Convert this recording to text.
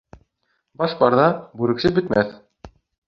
Баш барҙа бүрексе бөтмәҫ